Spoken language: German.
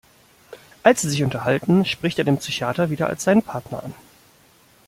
Als sie sich unterhalten, spricht er den Psychiater wieder als seinen Partner an.